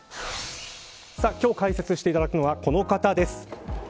今日解説していただくのはこの方です。